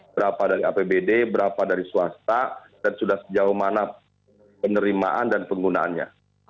berapa dari apbd berapa dari swasta dan sudah sejauh mana penerimaan dan penggunaannya